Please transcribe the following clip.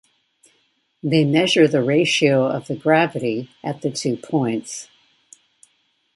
They measure the ratio of the gravity at the two points.